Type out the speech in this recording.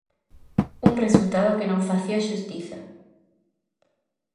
Un resultado que non facía xustiza.